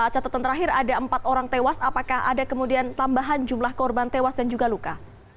catatan terakhir ada empat orang tewas apakah ada kemudian tambahan jumlah korban tewas dan juga luka